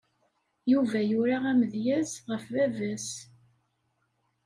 Yuba yura amedyaz ɣef vava-s.